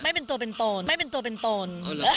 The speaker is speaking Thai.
ไม่เป็นตัวเป็นตนไม่เป็นตัวเป็นตน